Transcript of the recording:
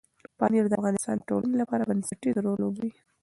پامیر د افغانستان د ټولنې لپاره بنسټيز رول لوبوي.